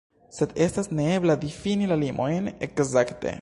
Sed estas neebla difini la limojn ekzakte.